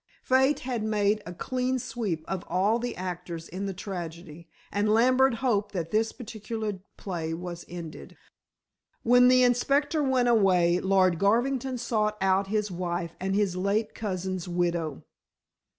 Fate had made a clean sweep of all the actors in the tragedy, and Lambert hoped that this particular play was ended. When the inspector went away, Lord Garvington sought out his wife and his late cousin's widow.